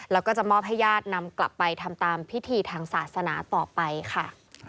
แล้วก็จะมอบให้ญาตินำกลับไปทำตามพิธีทางศาสนาต่อไปค่ะ